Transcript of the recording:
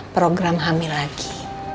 program hamil lagi